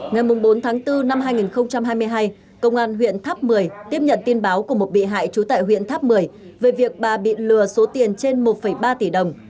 ngày bốn tháng bốn năm hai nghìn hai mươi hai công an huyện tháp một mươi tiếp nhận tin báo của một bị hại trú tại huyện tháp một mươi về việc bà bị lừa số tiền trên một ba tỷ đồng